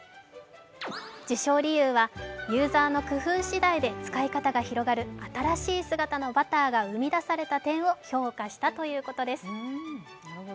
受賞理由は、ユーザーの工夫しだいで使い方が広がる新しい姿のバターが生み出された点を評価したということです。